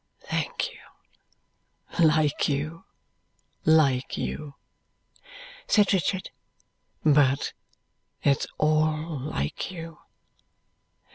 "Thank you; like you, like you," said Richard. "But it's all like you.